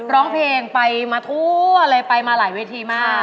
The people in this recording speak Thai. ร้องเพลงไปมาทั่วเลยไปมาหลายเวทีมาก